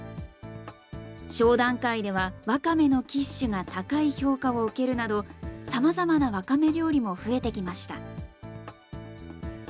商談会では、わかめのキッシュが高い評価を受けるなど、さまざまなわかめ料理も増えてきました。